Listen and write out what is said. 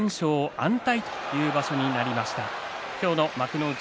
安泰という場所になりました。